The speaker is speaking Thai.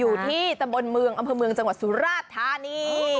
อยู่ที่ตำบลเมืองอำเภอเมืองจังหวัดสุราชธานี